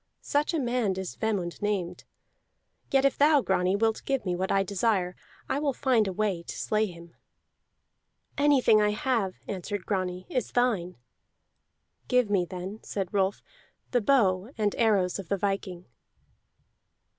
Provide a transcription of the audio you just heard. Such a man is Vemund named. Yet if thou, Grani, wilt give me what I desire, I will find a way to slay him." "Anything I have," answered Grani, "is thine." "Give me then," said Rolf, "the bow and arrows of the viking."